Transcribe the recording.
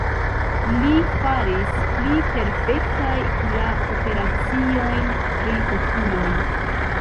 Li faris pli perfektaj la operaciojn pri okuloj.